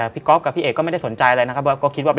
ก๊อฟกับพี่เอกก็ไม่ได้สนใจอะไรนะครับ